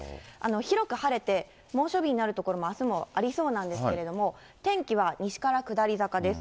広く晴れて、猛暑日になる所もあすもありそうなんですけれども、天気は西から下り坂です。